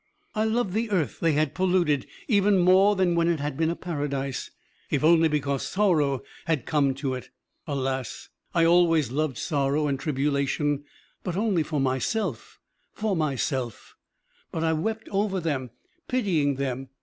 I loved the earth they had polluted even more than when it had been a paradise, if only because sorrow had come to it. Alas! I always loved sorrow and tribulation, but only for myself, for myself; but I wept over them, pitying them.